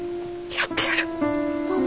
やってやる！